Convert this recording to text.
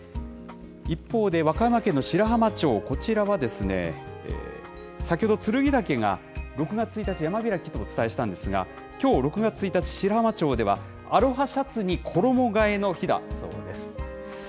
一方で和歌山県の白浜町、こちらは先ほど剱岳が６月１日、山開きとお伝えしたんですが、きょう６月１日、白浜町ではアロハシャツに衣がえの日だそうです。